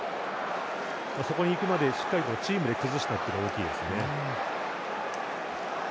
そこにいくまで、しっかりチームで崩したのが大きいですね。